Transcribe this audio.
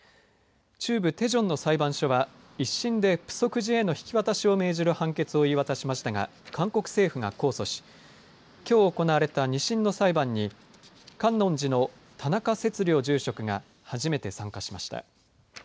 中部テジョンの裁判所は１審でプソク寺への引き渡しを命じる判決を言い渡しましたが韓国政府が控訴しきょう行われた２審の裁判に観音寺の田中節竜住職が初めて参加しました。